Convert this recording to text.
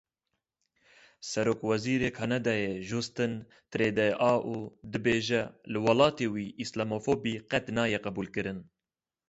Serokwezîrê Kanadayê Justin Trudeau dibêje, li welatê wî îslamofobî qet nayê qebûlkirin.